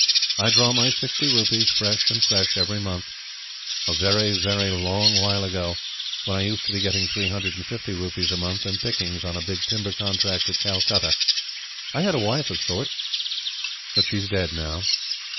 I draw my sixty rupees fresh and fresh every month. A very, very long while ago, when I used to be getting three hundred and fifty rupees a month, and pickings, on a big timber contract at Calcutta, I had a wife of sorts. But she's dead now.